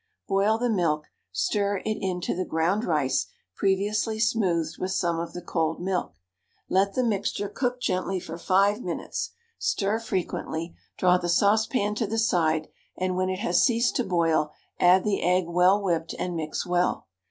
Boil the milk, stir it into the ground rice, previously smoothed with some of the cold milk. Let the mixture cook gently for 5 minutes, stir frequently, draw the saucepan to the side, and when it has ceased to boil add the egg well whipped, and mix well.